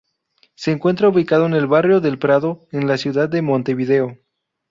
Se encuentra ubicado en el barrio del Prado, en la ciudad de Montevideo.